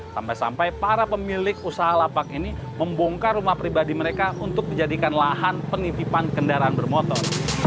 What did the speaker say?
sampai sampai para pemilik usaha lapak ini membongkar rumah pribadi mereka untuk dijadikan lahan penitipan kendaraan bermotor